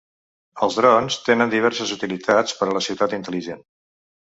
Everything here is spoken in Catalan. Els drons tenen diverses utilitats per a la ciutat intel·ligent.